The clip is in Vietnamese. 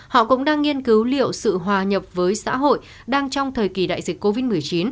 họ cũng đang nghiên cứu liệu sự hòa nhập với xã hội đang trong thời kỳ đại dịch covid một mươi chín